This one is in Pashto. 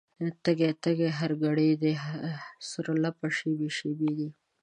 تږی، تږی هر ګړی دی، سره لمبه شېبې شېبې دي